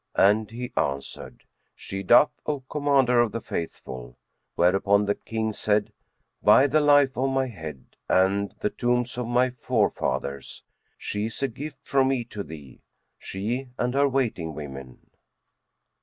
'' and he answered, "She doth, O Commander of the Faithful;" whereupon the King said, "By the life of my head and the tombs of my forefathers, she is a gift from me to thee, she and her waiting women!"